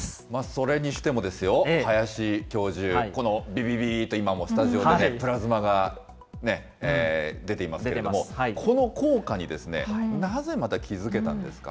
それにしてもですよ、林教授、このびびびとスタジオでも今、プラズマがね、出ていますけれども、この効果になぜまた気付けたんですか。